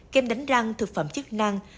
kem đánh răng thực phẩm chức năng